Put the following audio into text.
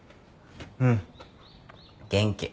うん元気。